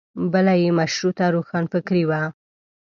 بله یې مشروطیه روښانفکري وه.